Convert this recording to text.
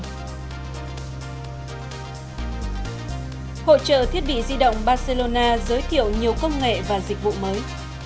hội trợ thiết bị di động barcelona giới thiệu nhiều công nghệ và dịch vụ mới